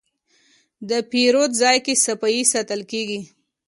د پیرود ځای کې صفایي ساتل کېږي.